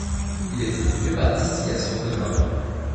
Il est obtenu par distillation de vin blanc.